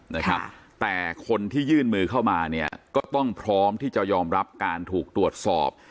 นะครับแต่คนที่ยื่นมือเข้ามาเนี่ยก็ต้องพร้อมที่จะยอมรับการถูกตรวจสอบ